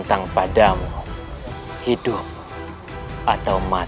tapi aku bisa jauh nampak